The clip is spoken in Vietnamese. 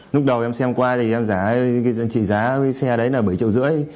lúc đầu em xem qua thì em chỉ giá cái xe đấy là bảy triệu rưỡi